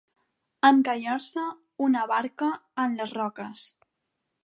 Encallar-se, una barca, en les roques.